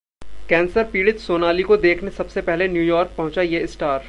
cancer पीड़ित सोनाली को देखने सबसे पहले न्यूयॉर्क पहुंचा ये स्टार